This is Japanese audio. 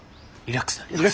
リラックス。